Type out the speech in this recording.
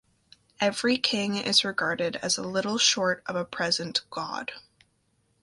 Every king is regarded as a little short of a present god.